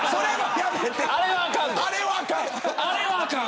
あれはあかん。